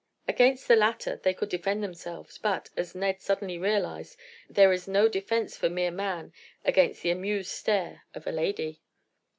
Against the latter they could defend themselves, but, as Ned suddenly realized, there is no defence for mere man against the amused stare of a lady.